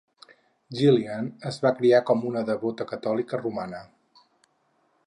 Jillian es va criar com una devota catòlica romana.